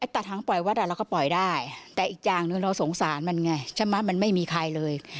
ตัดทางปล่อยวัดเราก็ปล่อยได้แต่อีกอย่างหนึ่งเราสงสารมันไงใช่ไหมมันไม่มีใครเลย